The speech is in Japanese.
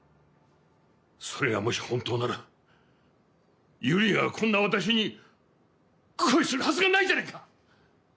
それがもし本当ならユリアがこんな私に恋するはずがないじゃないか！